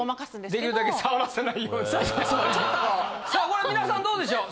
さあこれ皆さんどうでしょう？